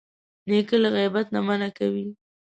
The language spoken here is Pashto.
نیکه له غیبت نه منع کوي.